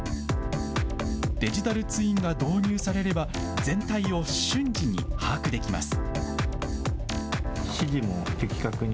デジタルツインが導入されれば全体を瞬時に把握できます。